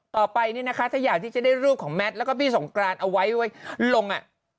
ต่อไปเนี่ยนะคะถ้าอยากที่จะได้รูปของแมทแล้วก็พี่สงกรานเอาไว้ลงอ่ะ